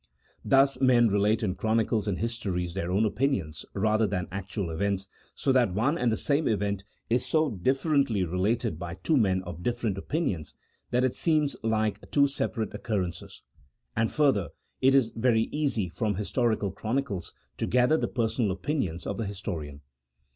Thus men relate in chronicles and histories their own opinions rather than actual events, so that one and the same event is so differently related by two men of different CHAP. VI.] OP MIRACLES. 93 opinions, that it seems like two separate occurrences ; and, further, it is very easy from historical chronicles to gather the personal opinions of the historian.